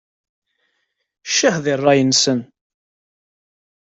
Ccah di ṛṛay-nsen!